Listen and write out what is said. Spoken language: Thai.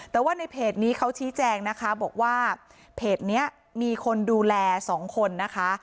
แต่ว่าในเพจนี้เขาชี้แจงนะคะบอกว่าเพจนี้มีคนดูแลสองคนนะคะ